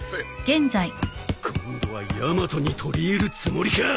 今度はヤマトに取り入るつもりか！